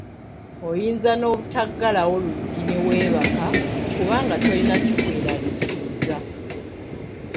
Oyinza n'obutaggalawo luggi ne weebaka, kubanga tolina kikweraliikiriza